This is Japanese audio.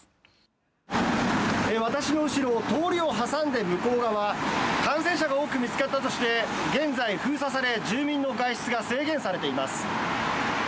私の後ろ、通りを挟んで向こう側、感染者が多く見つかったとして、現在封鎖され、住民の外出が制限されています。